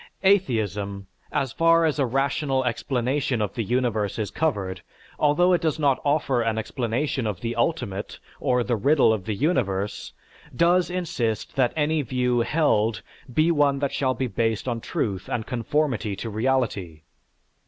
Atheism, as far as a rational explanation of the universe is covered, although it does not offer an explanation of the "ultimate," or "the riddle of the universe," does insist that any view held be one that shall be based on truth and conformity to reality.